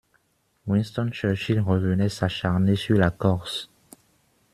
Winston Churchill revenait s'acharner sur la corse.